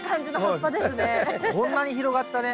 こんなに広がったね。